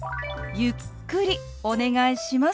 ゆっくりお願いします。